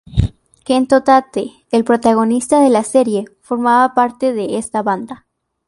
Kento Tate, el protagonista de la serie, formaba parte de esta banda.